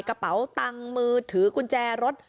กระเป๋าตังค์มือถือกุญแจรถ